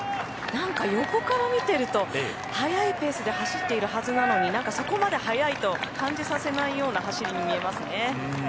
なんか横から見てると速いペースで走っているはずなのになんかそこまで速いと感じさせないような走りに見えますね。